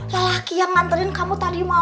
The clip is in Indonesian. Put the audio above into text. lelaki yang nganterin kamu tadi mau